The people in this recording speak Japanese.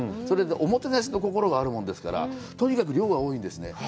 それで、おもてなしの心があるものですから、とにかく量が多いんですね。